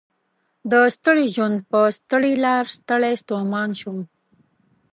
د ستړي ژوند په ستړي لار ستړی ستومان شوم